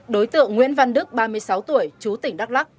đối tượng nguyễn văn đức ba mươi sáu tuổi chú tỉnh đắk lắc